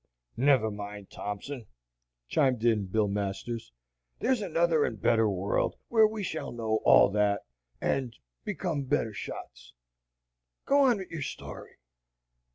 "Never mind, Thompson," chimed in Bill Masters, "there's another and a better world where we shall know all that and become better shots. Go on with your story."